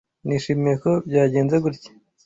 Nishimiye ko byagenze gutya.